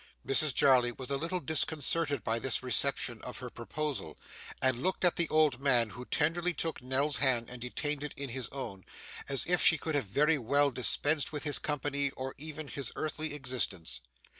Mrs Jarley was a little disconcerted by this reception of her proposal, and looked at the old man, who tenderly took Nell's hand and detained it in his own, as if she could have very well dispensed with his company or even his earthly existence.